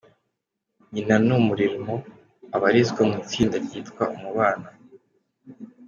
Nyina ni Umurimo abarizwa mu itsinda ryitwa Umubano.